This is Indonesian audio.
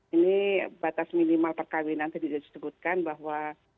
ini batas minimal perkawinan tadi sudah disebutkan bahwa